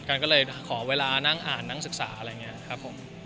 กันก็เลยขอเวลานั่งอ่านนั่งศึกษาอะไรอย่างนี้ครับผม